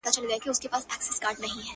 هغه چي ځان زما او ما د ځان بولي عالمه ـ